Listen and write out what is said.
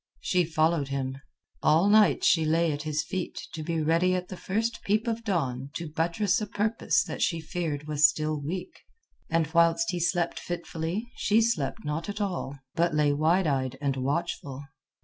She followed him. All night she lay at his feet to be ready at the first peep of dawn to buttress a purpose that she feared was still weak, and whilst he slept fitfully, she slept not at all, but lay wide eyed and watchful.